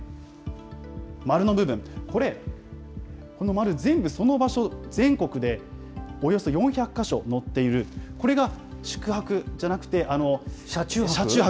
丸の部分、これ、この丸、全部その場所全国で、およそ４００か所載っている、これが宿泊じゃなくて、車中泊？